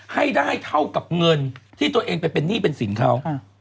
ให้ได้เท่ากับเงินที่ตัวเองไปเป็นหนี้เป็นสินเขา